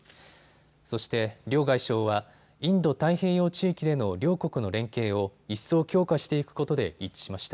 そして両外相はインド太平洋地域での両国の連携を一層強化していくことで一致しました。